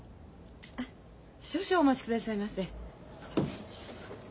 あ少々お待ちくださいませ。